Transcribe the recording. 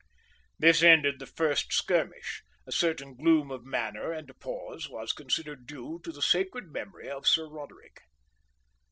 This ended the first skirmish. A certain gloom of manner and a pause was considered due to the sacred memory of Sir Roderick.